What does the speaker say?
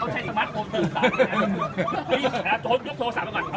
เขาใช้สมัครโทรศัพท์ตื่นสามนะครับพี่โทรศัพท์โทรศัพท์มาก่อนเอาโทรศัพท์มาโทรก่อน